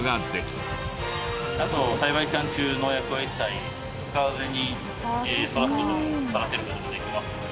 あと栽培期間中農薬は一切使わずに育てる事もできますので。